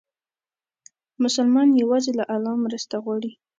مسلمان یوازې له الله مرسته غواړي.